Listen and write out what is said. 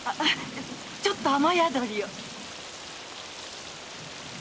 ちょっと雨宿りを。